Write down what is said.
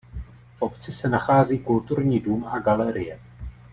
V obci se nachází kulturní dům a galerie.